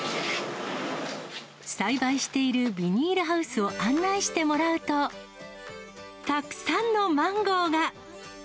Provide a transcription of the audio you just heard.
栽培しているビニールハウスを案内してもらうと、たくさんのマンゴーが。